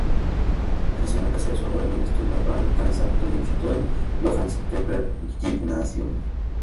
Creció en la casa de su abuelo, en Stuttgart-Bad Cannstatt donde visitó el Johannes-Kepler-Gymnasium.